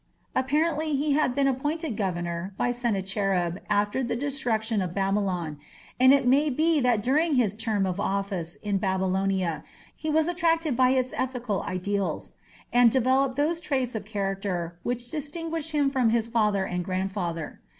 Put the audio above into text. Apparently he had been appointed governor by Sennacherib after the destruction of Babylon, and it may be that during his term of office in Babylonia he was attracted by its ethical ideals, and developed those traits of character which distinguished him from his father and grandfather.